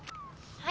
はい。